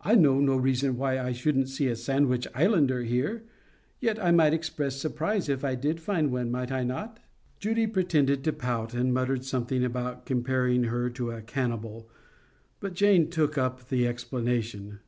"I know no reason why I shouldn't see a Sandwich Islander here. Yet I might express surprise if I did find one, might I not?" Judy pretended to pout, and muttered something about comparing her to a cannibal. But Jane took up the explanation.